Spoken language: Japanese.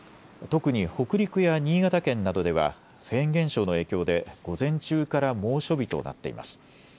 特に北陸や新潟県などではフェーン現象の影響で午前中から猛暑日となっています。